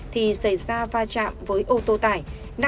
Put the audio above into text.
thì xảy ra va chạm với ô tô tải